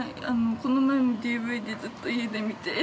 この前もＤＶＤずっと家で見て。